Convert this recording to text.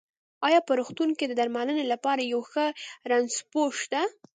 ايا په روغتون کې د درمنلې لپاره يو ښۀ رنځپوۀ شته؟